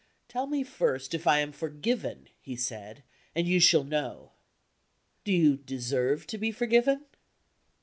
"Tell me first if I am forgiven," he said "and you shall know." "Do you deserve to be forgiven?"